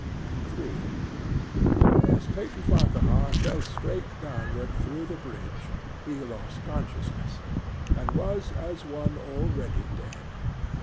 III As Peyton Farquhar fell straight downward through the bridge he lost consciousness and was as one already dead.